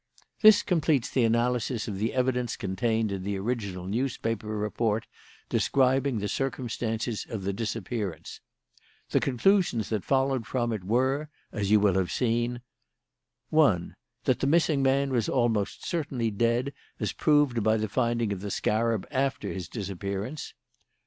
"This completes the analysis of the evidence contained in the original newspaper report describing the circumstances of the disappearance. The conclusions that followed from it were, as you will have seen: "1. That the missing man was almost certainly dead, as proved by the finding of the scarab after his disappearance.